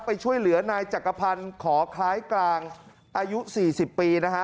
ไปช่วยเหลือนายจักรพันธ์ขอคล้ายกลางอายุ๔๐ปีนะฮะ